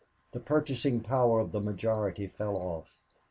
The purchasing power of the majority fell off.